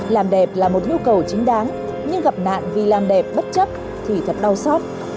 làm đẹp là một nhu cầu chính đáng nhưng gặp nạn vì làm đẹp bất chấp thì thật đau xót